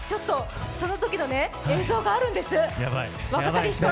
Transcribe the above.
そのときの映像があるんです。